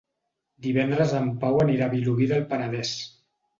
Divendres en Pau anirà a Vilobí del Penedès.